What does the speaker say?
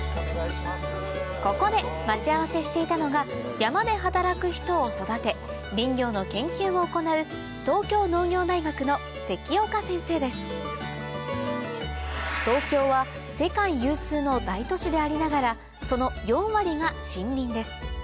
ここで待ち合わせしていたのが山で働く人を育て林業の研究を行う東京は世界有数の大都市でありながらその４割が森林です